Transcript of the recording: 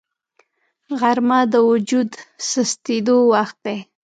غرمه د وجود سستېدو وخت دی